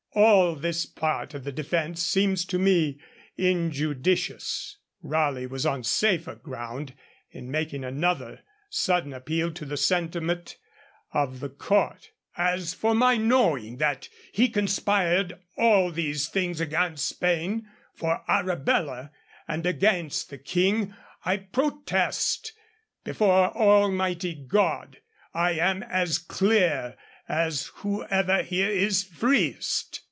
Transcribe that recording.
All this part of the defence seems to me injudicious. Raleigh was on safer ground in making another sudden appeal to the sentiment of the court: 'As for my knowing that he had conspired all these things against Spain, for Arabella, and against the King, I protest before Almighty God I am as clear as whosoever here is freest.'